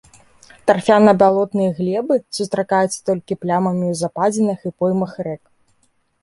Тарфяна-балотныя глебы сустракаюцца толькі плямамі ў западзінах і поймах рэк.